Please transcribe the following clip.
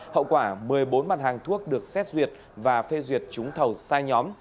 hậu quả một mươi bốn mặt hàng thuốc được xét duyệt và phê duyệt trúng thầu sai nhóm